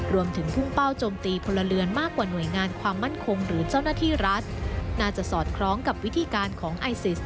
รวมถึงพุ่งเป้าโจมตีพลเรือนมากกว่าหน่วยงานความมั่นคงหรือเจ้าหน้าที่รัฐน่าจะสอดคล้องกับวิธีการของไอซิส